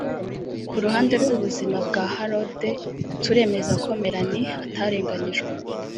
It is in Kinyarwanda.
« Ku ruhande rw’ubuyobozi bwa Harrods turemeza ko Melanie atarenganyijwe